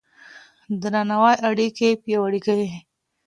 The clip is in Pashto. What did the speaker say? درناوی اړيکې پياوړې کوي.